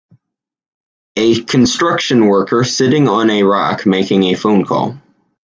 a construction worker sitting on a rock making a phone call.